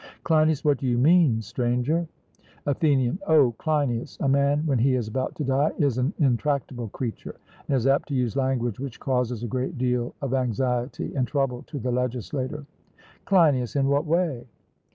CLEINIAS: What do you mean, Stranger? ATHENIAN: O Cleinias, a man when he is about to die is an intractable creature, and is apt to use language which causes a great deal of anxiety and trouble to the legislator. CLEINIAS: In what way?